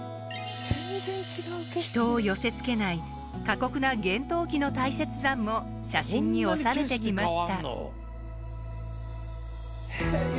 人を寄せ付けない過酷な厳冬期の大雪山も写真におさめてきました。